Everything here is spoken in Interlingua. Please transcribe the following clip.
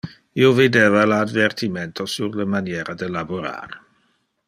Io videva le advertimento sur le maniera de laborar.